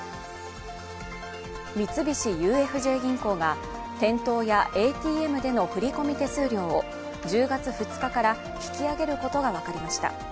三菱ＵＦＪ銀行が店頭やＡＴＭでの振込手数料を１０月２日から引き上げることが分かりました。